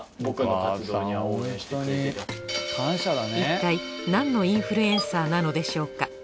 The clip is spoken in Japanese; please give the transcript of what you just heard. いったい何のインフルエンサーなのでしょうか？